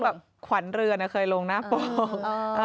เคยลงแบบขวัญเรือนะเคยลงหน้าปก